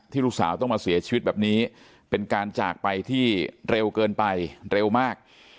ลูกสาวต้องมาเสียชีวิตแบบนี้เป็นการจากไปที่เร็วเกินไปเร็วมาก